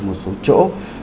một số chỗ